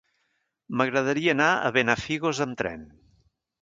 M'agradaria anar a Benafigos amb tren.